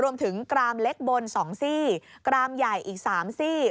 รวมถึงกรามเล็กบน๒ซี่กรามใหญ่อีก๓ซี่